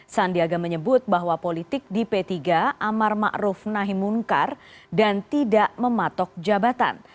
sandiaga menyebut bahwa politik di p tiga amar ⁇ maruf ⁇ nahi munkar dan tidak mematok jabatan